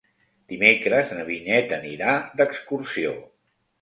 Dimecres na Vinyet anirà d'excursió.